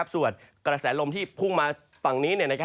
ส่วนกระแสลมที่พุ่งมาฝั่งนี้